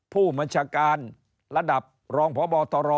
ผู้บัญชาการระดับรองพบตร